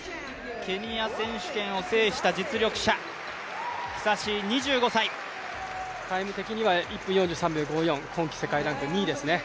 ケニア選手権を制した実力者タイム的には１分４３秒２４、今季世界ランク１位の選手ですね。